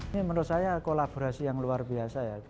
ini menurut saya kolaborasi yang luar biasa ya